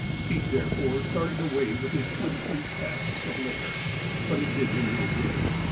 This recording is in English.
Pete, therefore, started away with his twenty three casks of liquor. But it did him no good.